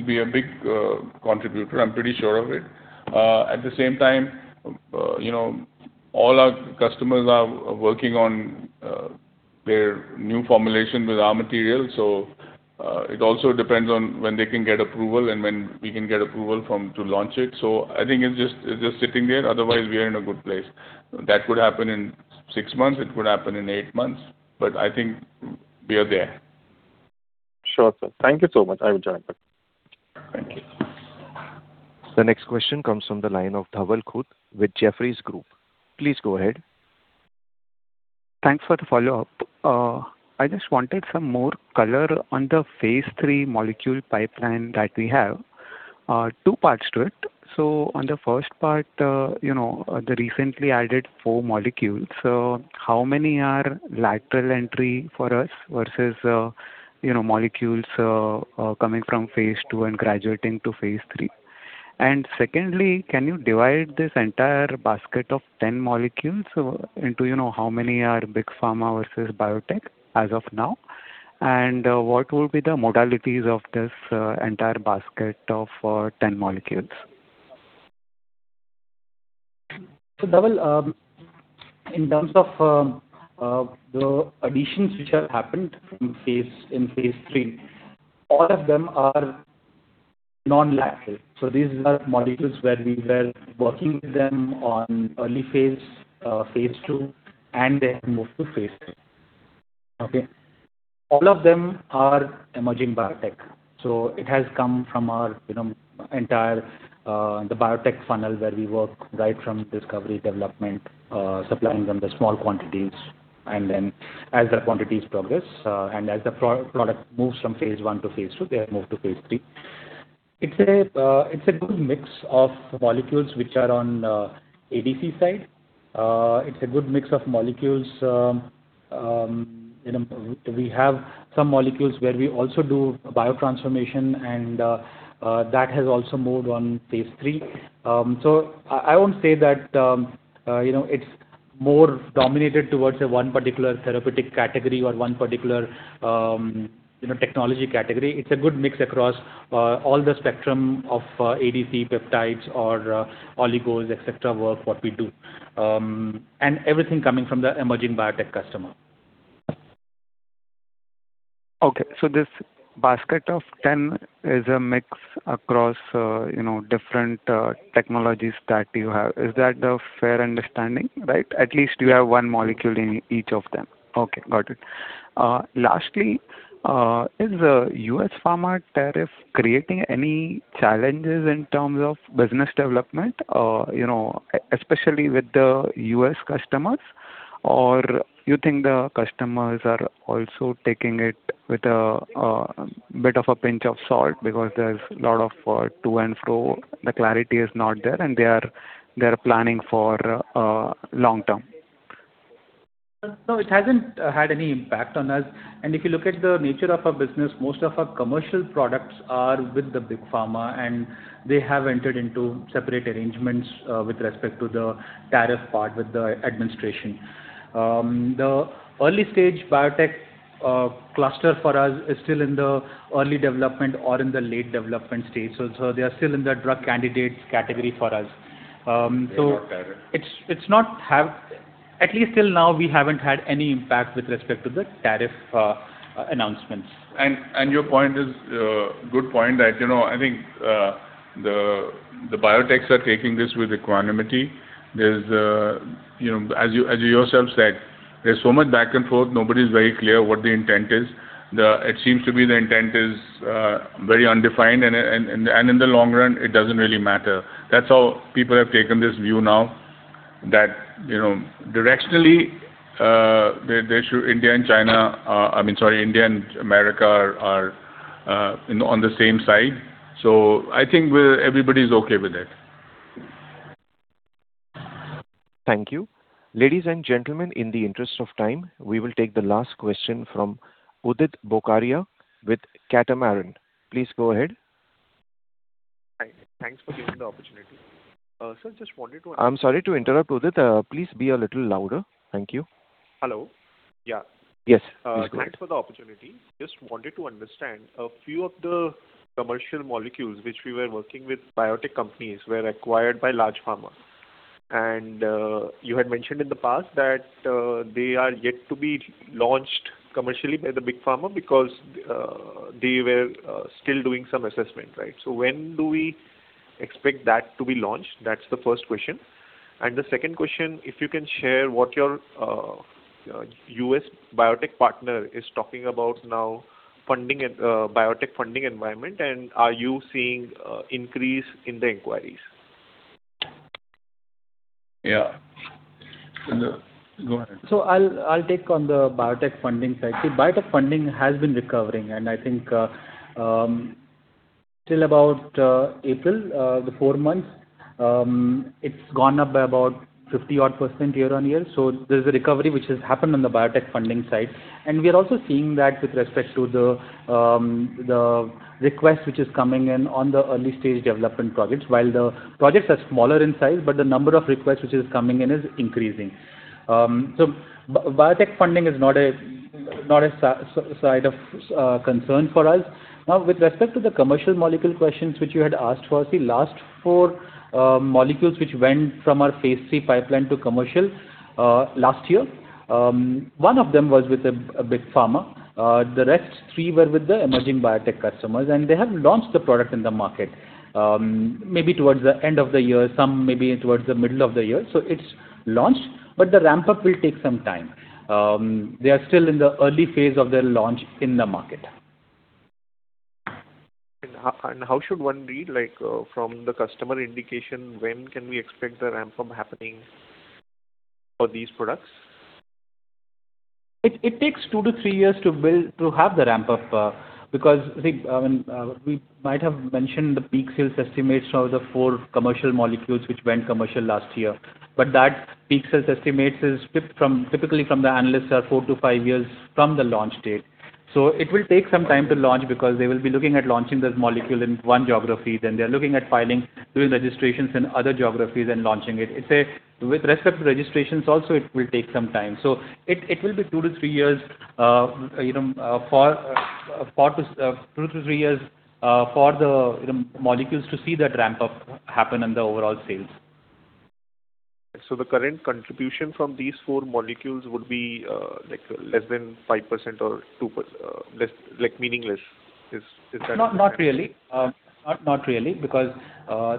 be a big contributor. I'm pretty sure of it. At the same time, you know, all our customers are working on their new formulation with our material, it also depends on when they can get approval and when we can get approval from to launch it. I think it's just sitting there. Otherwise, we are in a good place. That could happen in six months, it could happen in eight months, but I think we are there. Sure, sir. Thank you so much. I will join back. Thank you. The next question comes from the line of Dhawal Khut with Jefferies. Please go ahead. Thanks for the follow-up. I just wanted some more color on the phase III molecule pipeline that we have. Two parts to it. On the first part, you know, the recently added four molecules. How many are lateral entry for us versus, you know, molecules coming from phase II and graduating to phase III? Secondly, can you divide this entire basket of 10 molecules into, you know, how many are big pharma versus biotech as of now? What will be the modalities of this entire basket of 10 molecules? Dhawal, in terms of the additions which have happened from phase in phase III, all of them are non-lateral. These are molecules where we were working with them on early phase II, and they have moved to phase III. Okay. All of them are emerging biotech. It has come from our, you know, entire the biotech funnel where we work right from discovery, development, supplying them the small quantities. As the quantities progress, and as the product moves from phase I to phase II, they have moved to phase III. It's a good mix of molecules which are on ADC side. It's a good mix of molecules, you know We have some molecules where we also do biotransformation and that has also moved on phase III. I won't say that, you know, it's more dominated towards a one particular therapeutic category or one particular, you know, technology category. It's a good mix across all the spectrum of ADC peptides or oligos, et cetera, work what we do. Everything coming from the emerging biotech customer. Okay. This basket of ten is a mix across, you know, different technologies that you have. Is that a fair understanding, right? At least you have one molecule in each of them. Okay, got it. Lastly, is the U.S. pharma tariff creating any challenges in terms of business development, you know, especially with the U.S. customers? You think the customers are also taking it with a bit of a pinch of salt because there's a lot of to and fro, the clarity is not there, and they are planning for long term? No, it hasn't had any impact on us. If you look at the nature of our business, most of our commercial products are with the big pharma, and they have entered into separate arrangements with respect to the tariff part with the administration. The early stage biotech cluster for us is still in the early development or in the late development stage. They are still in the drug candidates category for us. They're not tariff. At least till now, we haven't had any impact with respect to the tariff announcements. Your point is a good point that, you know, I think the biotechs are taking this with equanimity. There's, you know, as you yourself said, there's so much back and forth, nobody's very clear what the intent is. It seems to be the intent is very undefined and in the long run, it doesn't really matter. That's how people have taken this view now that, you know, directionally, there should India and China, I mean, sorry, India and America are, you know, on the same side. I think we're, everybody's okay with it. Thank you. Ladies and gentlemen, in the interest of time, we will take the last question from Udit Bokaria with Catamaran. Please go ahead. Hi. Thanks for giving the opportunity. sir. I'm sorry to interrupt, Udit. Please be a little louder. Thank you. Hello. Yeah. Yes, please go on. Thanks for the opportunity. Just wanted to understand a few of the commercial molecules which we were working with biotech companies were acquired by large pharma. You had mentioned in the past that they are yet to be launched commercially by the big pharma because they were still doing some assessment, right? When do we expect that to be launched? That's the first question. The second question, if you can share what your U.S. biotech partner is talking about now funding, biotech funding environment, and are you seeing increase in the inquiries? Yeah. Go ahead. I'll take on the biotech funding side. Biotech funding has been recovering, and I think till about April, the four months, it's gone up by about 50% year-on-year. There's a recovery which has happened on the biotech funding side. And we are also seeing that with respect to the request which is coming in on the early stage development projects. While the projects are smaller in size, but the number of requests which is coming in is increasing. Biotech funding is not a side of concern for us. Now, with respect to the commercial molecule questions which you had asked for. Last four molecules which went from our phase III pipeline to commercial last year, one of them was with a big pharma. The rest three were with the emerging biotech customers, and they have launched the product in the market, maybe towards the end of the year, some maybe towards the middle of the year. It's launched, but the ramp up will take some time. They are still in the early phase of their launch in the market. How should one read, like, from the customer indication, when can we expect the ramp up happening for these products? It takes two to three years to build to have the ramp up, because, see, we might have mentioned the peak sales estimates of the four commercial molecules which went commercial last year. That peak sales estimates is pegged from typically from the analysts are four to five years from the launch date. It will take some time to launch because they will be looking at launching this molecule in one geographies, and they're looking at filing those registrations in other geographies and launching it. With respect to registrations also, it will take some time. It will be two to three years, you know, for this 2-3 years for the, you know, molecules to see that ramp up happen in the overall sales. The current contribution from these four molecules would be like less than 5% or less, like meaningless. Is that correct? Not really. Not really because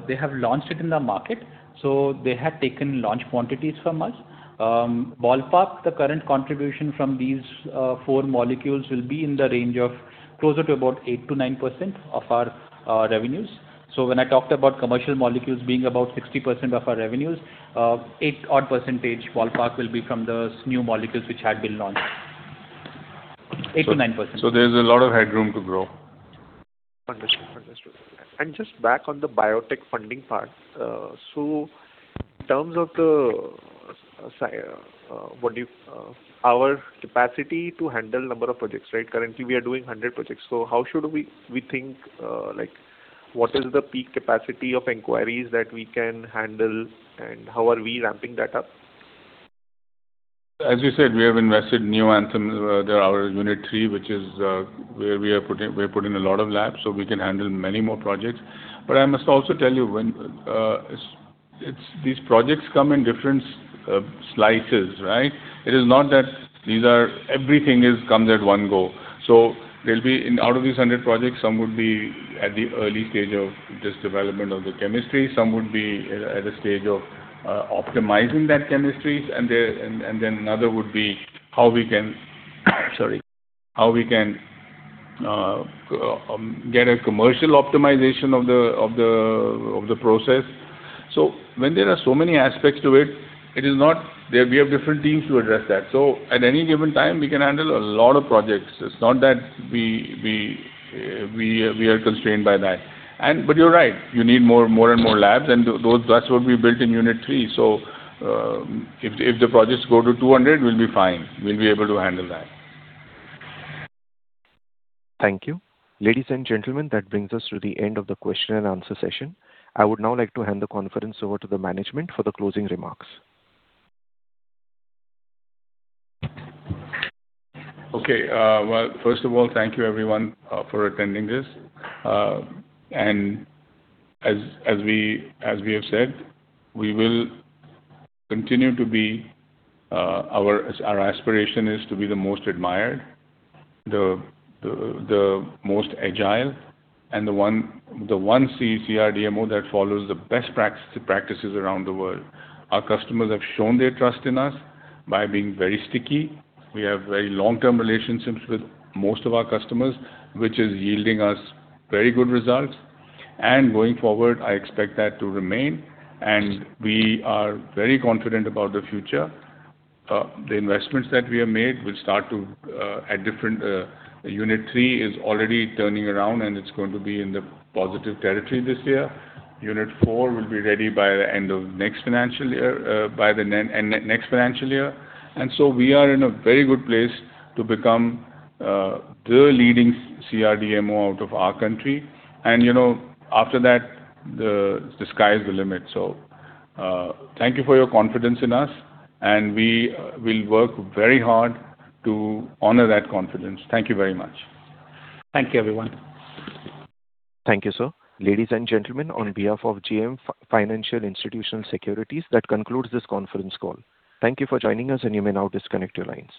they have launched it in the market, so they have taken launch quantities from us. Ballpark, the current contribution from these four molecules will be in the range of closer to about 8%-9% of our revenues. When I talked about commercial molecules being about 60% of our revenues, eight odd percentage ballpark will be from those new molecules which had been launched. 8%-9%. There's a lot of headroom to grow. Understood. Understood. Just back on the biotech funding part. In terms of the, what do you our capacity to handle number of projects, right? Currently, we are doing 100 projects. How should we think, like what is the peak capacity of inquiries that we can handle, and how are we ramping that up? You said, we have invested new Anthem, there are Unit III, which is where we have put in a lot of labs, so we can handle many more projects. I must also tell you when these projects come in different slices, right? It is not that everything comes at one go. There'll be In order of these 100 projects, some would be at the early stage of just development of the chemistry, some would be at a stage of optimizing that chemistries, then another would be how we can get a commercial optimization of the process. When there are so many aspects to it, we have different teams to address that. At any given time, we can handle a lot of projects. It's not that we are constrained by that. But you're right. You need more and more labs, and those That's what we built in Unit III. If the projects go to 200, we'll be fine. We'll be able to handle that. Thank you. Ladies and gentlemen, that brings us to the end of the question and answer session. I would now like to hand the conference over to the management for the closing remarks. Okay. First of all, thank you everyone for attending this. As we have said, we will continue to be our aspiration is to be the most admired, the most agile, and the one CRDMO that follows the best practices around the world. Our customers have shown their trust in us by being very sticky. We have very long-term relationships with most of our customers, which is yielding us very good results. Going forward, I expect that to remain, and we are very confident about the future. The investments that we have made will start to, at different, Unit III is already turning around, and it's going to be in the positive territory this year. Unit IV will be ready by the end of next financial year. We are in a very good place to become the leading CRDMO out of our country. You know, after that, the sky is the limit. Thank you for your confidence in us, and we will work very hard to honor that confidence. Thank you very much. Thank you, everyone. Thank you, sir. Ladies and gentlemen, on behalf of JM Financial Institutional Securities, that concludes this conference call. Thank you for joining us, and you may now disconnect your lines.